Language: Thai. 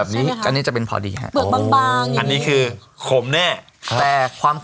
อันนี้น่าจะพอดีแน่เลย